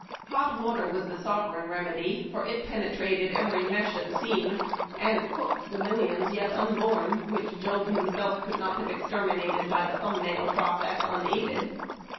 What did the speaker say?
Hot water was the sovereign remedy, for it penetrated every mesh and seam, and cooked the millions yet un born, whicli Job himself could not have exterminated by the thumb nail process unaided.